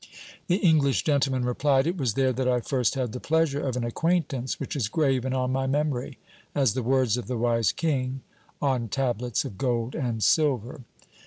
The English gentleman replied: 'It was there that I first had the pleasure of an acquaintance which is graven on my memory, as the words of the wise king on tablets of gold and silver.'